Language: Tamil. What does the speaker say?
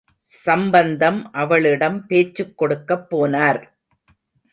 சம்பந்தம், அவளிடம் பேச்சுக் கொடுக்கப் போனார்.